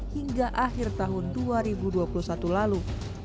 hingga akhir tahun dua ribu dua puluh satu lalu